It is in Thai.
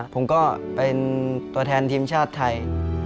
ผมก็เป็นตัวแทนทีมชาติไทย